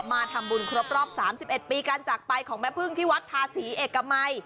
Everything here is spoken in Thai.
มาทำบุญครบรอบ๓๑ปีการจากไปของแม่พึ่งที่วัดภาษีเอกมัย